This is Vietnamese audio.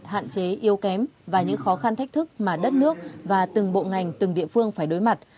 hạn chế yếu kém và những khó khăn thách thức mà đất nước và từng bộ ngành từng địa phương phải đối mặt